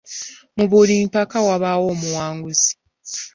Mu buli mpaka wabaawo omuwanguzi.